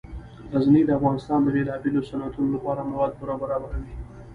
غزني د افغانستان د بیلابیلو صنعتونو لپاره مواد پوره برابروي.